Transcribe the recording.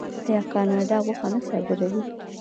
آیا کاناډا غوښه نه صادروي؟